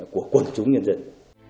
của quân chúng nhân dân